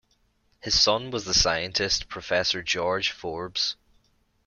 His son was the scientist Professor George Forbes.